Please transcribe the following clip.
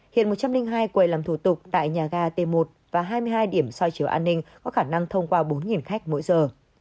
hiện một trăm linh hai quầy làm thủ tục tại nhà ga t một và hai mươi hai điểm soi chiếu an ninh có khả năng thông qua bốn khách mỗi giờ